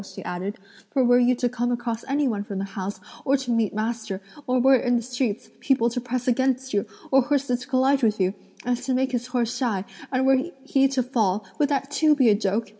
she added; "for were you to come across any one from the house, or to meet master; or were, in the streets, people to press against you, or horses to collide with you, as to make (his horse) shy, and he were to fall, would that too be a joke?